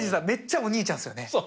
めっちゃお兄ちゃんっすよね。